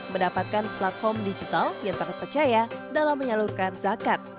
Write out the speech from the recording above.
mendapatkan platform digital yang terpercaya dalam menyalurkan zakat